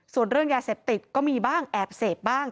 ส่วนเรื่องยาเสพติดก็มีบ้างแอบเสพบ้าง